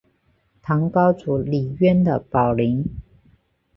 唐高祖李渊的宝林。